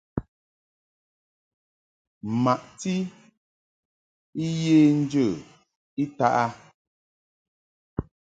Maʼti I ye njə I taʼ a.